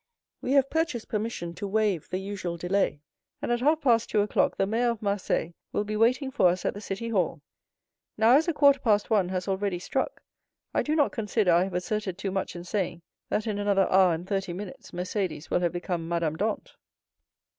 We have purchased permission to waive the usual delay; and at half past two o'clock the Mayor of Marseilles will be waiting for us at the city hall. Now, as a quarter past one has already struck, I do not consider I have asserted too much in saying, that, in another hour and thirty minutes Mercédès will have become Madame Dantès."